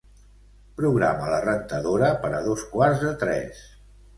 Programa la rentadora per a dos quarts de tres.